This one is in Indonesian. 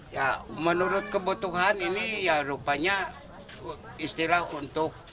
ya menurut kebutuhan ini ya rupanya istilah untuk